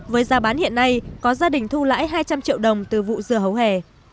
với giá bán hiện nay có gia đình thu lãi hai trăm linh triệu đồng từ vụ dưa hấu hè